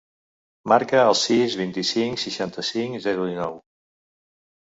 Marca el sis, vint-i-cinc, seixanta-cinc, zero, dinou.